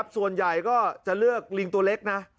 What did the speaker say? ส่วนใหญ่ก็จะเลือกลิงตัวเล็กนะ